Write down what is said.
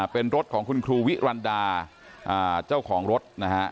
เป็นรถของคุณครูวิรันดาเจ้าของรถนะฮะ